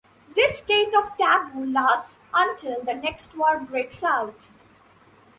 This state of taboo lasts until the next war breaks out.